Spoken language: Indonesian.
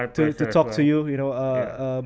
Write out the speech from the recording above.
ini adalah kesenangan saya